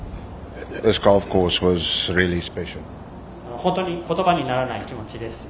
本当に言葉にならない気持ちです。